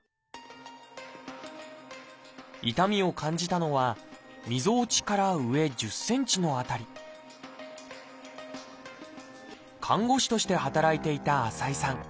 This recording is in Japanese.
痛みを感じたのはみぞおちから上１０ｃｍの辺り看護師として働いていた浅居さん。